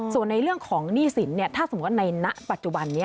ส่วนในเรื่องของหนี้สินถ้าสมมุติในณปัจจุบันนี้